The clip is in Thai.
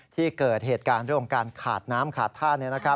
ที่เกิดเหตุการณ์ในการขาดน้ำขาดท่าน